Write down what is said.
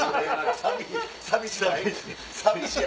寂しない？